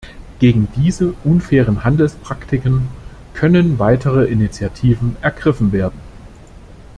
Gegen diese unfairen Handelspraktiken können weitere Initiativen ergriffen werden.